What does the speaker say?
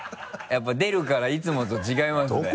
やっぱ出るからいつもと違いますね。